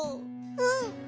うん。